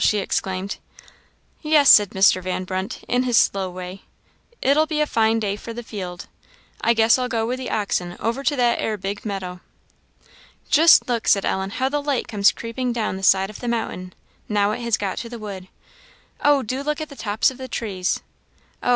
she, exclaimed. "Yes," said Mr. Van Brunt, in his slow way, "it'll be a fine day for the field. I guess I'll go with the oxen over to that 'ere big meadow." "Just look," said Ellen, "how the light comes creeping down the side of the mountain now it has got to the wood oh, do look at the tops of the trees! Oh!